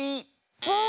ブー！